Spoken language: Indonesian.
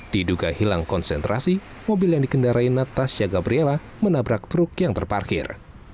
diduga hilang konsentrasi mobil yang dikendarai natasha gabriela menabrak truk yang terparkir